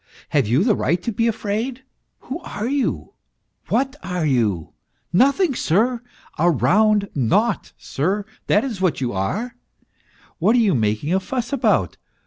Have you the right to be afraid? Who* are you ? What are you ? Nothing, sir. A round nought, sir, that is what you are. What are you making a fuss about